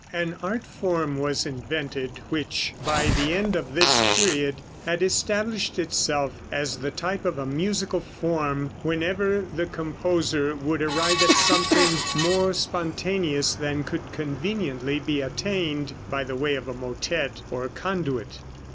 An art form was invented, which by the end of this period had established itself as the type of a musical form whenever the composer would arrive at something more spontaneous than could conveniently be attained by the way of a motette or conduit.